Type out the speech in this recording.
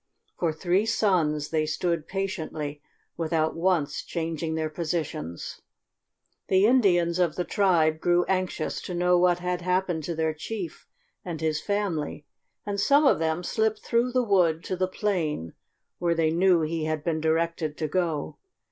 For three suns they stood patiently without once changing their positions. The Indians of the tribe grew anxious to know what had happened to their chief and his family, and some of them slipped through the wood to the plain where they knew he had been directed to go.